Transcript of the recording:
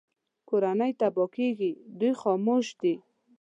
کورنۍ تباه کېږي دوی خاموش دي